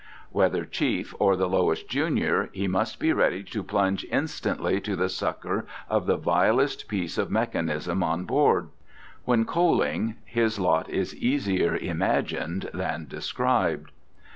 Whether chief or the lowest junior, he must be ready to plunge instantly to the succour of the vilest piece of mechanism on board. When coaling, his lot is easier imagined than described.